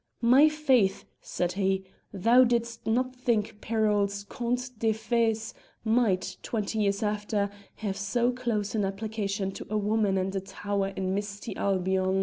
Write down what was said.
"My faith!" said he, "thou didst not think thy Perrault's 'Contes des Fées' might, twenty years after, have so close an application to a woman and a tower in misty Albion."